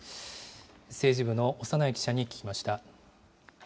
政治部の長内記者に聞きました。